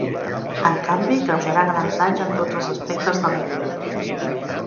En canvi, causarà grans danys en tots els aspectes de la vida.